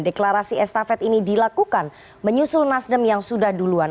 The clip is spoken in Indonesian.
deklarasi estafet ini dilakukan menyusul nasdem yang sudah duluan